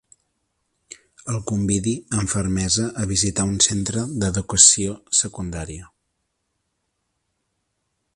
El convidi amb fermesa a visitar un centre d'educació secundària.